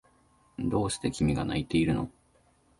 どうして君が泣いているの？